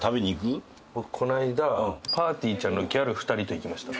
僕この間ぱーてぃーちゃんのギャル２人と行きました。